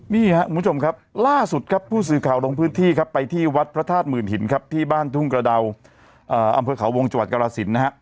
นี่ครับคุณผู้ชมครับล่าสุดครับผู้สื่อข่าวลงพื้นที่ครับไปที่วัดพระธาตุหมื่นหินครับที่บ้านทุ่งกระดาอำเภอเขาวงจังหวัดกรสินนะฮะ